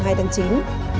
bộ sở thông tin